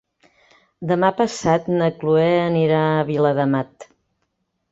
Demà passat na Cloè anirà a Viladamat.